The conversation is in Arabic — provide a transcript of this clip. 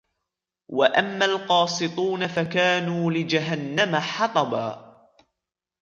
وَأَمَّا الْقَاسِطُونَ فَكَانُوا لِجَهَنَّمَ حَطَبًا